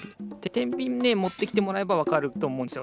てんびんねもってきてもらえばわかるとおもうんですよ。